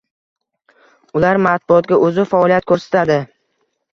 Ular matbuotga o‘zi faoliyat ko‘rsatadi.